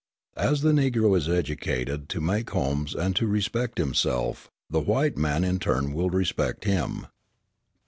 As the Negro is educated to make homes and to respect himself, the white man will in turn respect him.